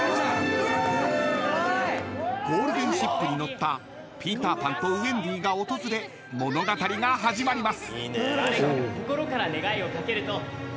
［ゴールデンシップに乗ったピーター・パンとウェンディが訪れ物語が始まります］